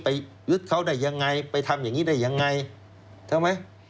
ยึดเขาได้ยังไงไปทำอย่างนี้ได้ยังไงใช่ไหม